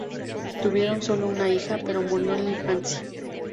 Tuvieron solo una hija, pero murió en la infancia.